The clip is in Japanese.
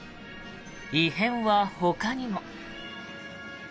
異変はほかにも。